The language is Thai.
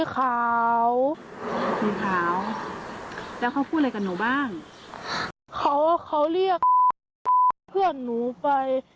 เขาเขาเรียกเพื่อนหนูไป